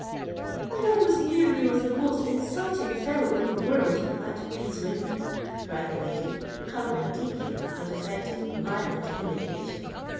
"I always knew he was the most insulting fellow in the world—that Beeswing!" cried the lady, colouring deeply and affecting violent indignation.